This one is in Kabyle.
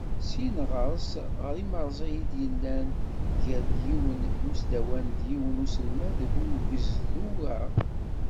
Syin ɣer-s ɣer yimerẓi i d-yellan gar yiwen n usdawan d yiwen n uselmad deg ugezdu-a.